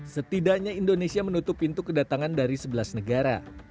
setidaknya indonesia menutup pintu kedatangan dari sebelas negara